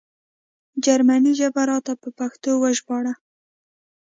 جرمنۍ ژبه راته په پښتو وژباړه